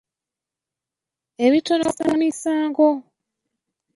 Ebitono ku misango.